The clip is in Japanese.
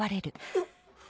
あっ。